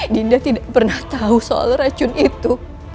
dinda tidak pernah tahu soal racun itu